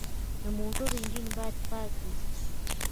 د موټر انجن باید پاک وي.